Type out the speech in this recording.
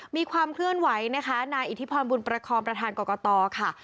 มีความเคลื่อนไหวนะคะณอิทธิพลบริการประตานตรกกตค่ะ